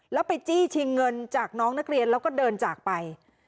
แล้วไปจี้ชิงเงินจากน้องนักเรียนแล้วก็เดินจากไป